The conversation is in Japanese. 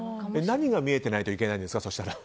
何が見えてないといけないんですか。